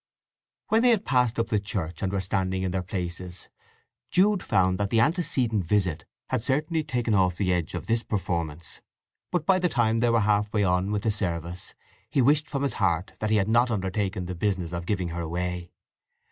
When they had passed up the church and were standing in their places Jude found that the antecedent visit had certainly taken off the edge of this performance, but by the time they were half way on with the service he wished from his heart that he had not undertaken the business of giving her away.